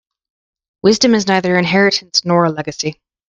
Wisdom is neither inheritance nor a legacy.